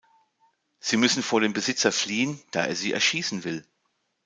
Sie müssen vor dem Besitzer fliehen, da er sie erschießen will.